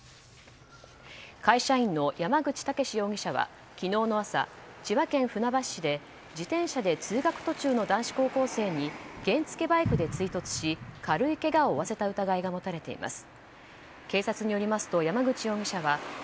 会社員の山口武士容疑者は昨日の朝千葉県船橋市で自転車で通学途中の男子高校生に原付きバイクで追突し軽いけがを負わせた疑いが持たれています。